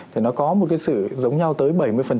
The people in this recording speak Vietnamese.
thì nó có một cái sự giống nhau tới bảy mươi